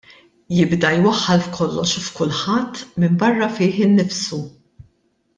Jibda jwaħħal f'kollox u f'kulħadd minbarra fih innifsu.